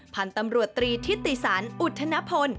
พันธุ์ตำรวจตรีทิติสันอุทธนพล